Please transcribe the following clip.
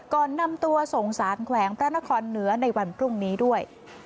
ก่อนนำตัวส่งสารแขวงพระนครเหนือในวันพรุ่งนี้ด้วย